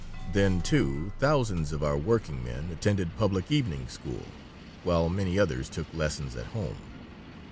Then, too, thousands of our working men attended public evening school, while many others took lessons at home.